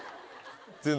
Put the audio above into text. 全然。